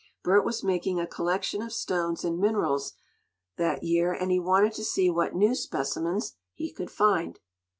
Bert was making a collection of stones and minerals that year, and he wanted to see what new specimens he could find.